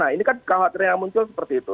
nah ini kan khawatiran yang muncul seperti itu